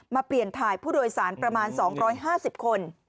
เปลี่ยนถ่ายผู้โดยสารประมาณ๒๕๐คน